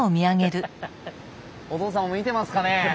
お父さんも見てますかね。